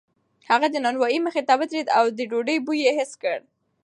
هغه د نانوایۍ مخې ته ودرېد او د ډوډۍ بوی یې حس کړ.